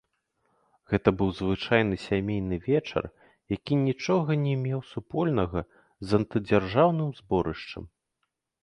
Гэта быў звычайны сямейны вечар, які нічога не меў супольнага з антыдзяржаўным зборышчам.